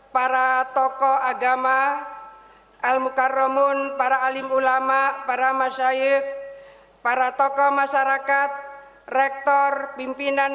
para tokoh agama al mukarramun para alim ulama para masyaif para tokoh masyarakat rektor pimpinan